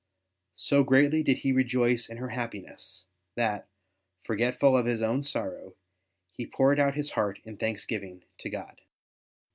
So greatly did he rejoice in her happiness, that, forgetful of his own sorrow, he poured out his heart in thanksgiving to God.